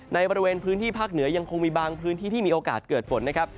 ในบริเวณพื้นที่ภาคเหนือยังคงมีบางพื้นที่ที่มีโอกาสเกิดฝนนะครับ